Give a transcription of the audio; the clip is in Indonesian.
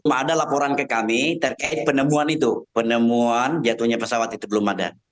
ada laporan ke kami terkait penemuan itu penemuan jatuhnya pesawat itu belum ada